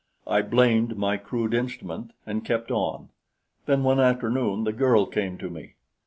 I blamed my crude instrument, and kept on. Then one afternoon the girl came to me.